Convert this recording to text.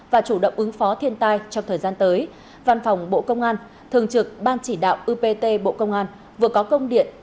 và chủ động ứng phó thiên tai trong thời gian tới văn phòng bộ công an thường trực ban chỉ đạo upt bộ công an vừa có công điện